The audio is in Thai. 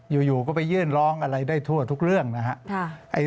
อยู่ก็ไปยื่นร้องอะไรได้ทั่วทุกเรื่องนะครับ